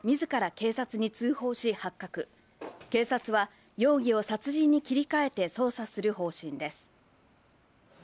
警察は容疑を殺人に切り替えて捜査する方針です。